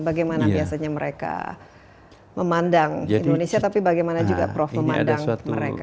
bagaimana biasanya mereka memandang indonesia tapi bagaimana juga prof memandang mereka